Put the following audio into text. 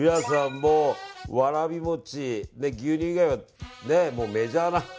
もう、わらび餅牛乳以外はもうメジャーな。